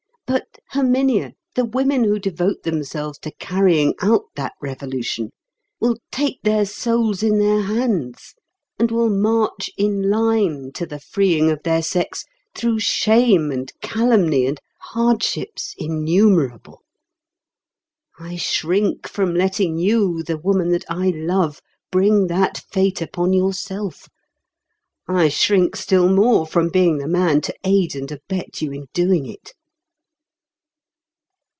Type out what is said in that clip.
But, Herminia, the women who devote themselves to carrying out that revolution, will take their souls in their hands, and will march in line to the freeing of their sex through shame and calumny and hardships innumerable. I shrink from letting you, the woman that I love, bring that fate upon yourself; I shrink still more from being the man to aid and abet you in doing it."